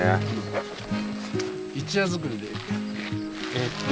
えっと